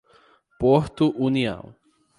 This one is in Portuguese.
Porto União